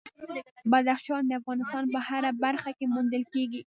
بدخشان د افغانستان په هره برخه کې موندل کېږي.